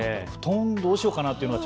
布団どうしようかなと。